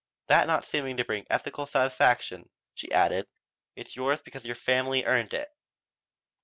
That not seeming to bring ethical satisfaction she added: "It's yours because your family earned it."